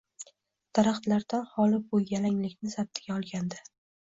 Daraxtlardan holi bu yalanglikni zabtiga olgandi.